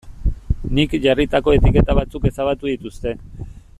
Nik jarritako etiketa batzuk ezabatu dituzte.